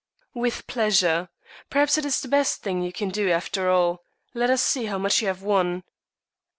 "With pleasure. Perhaps it is the best thing you can do, after all. Let us see how much you have won."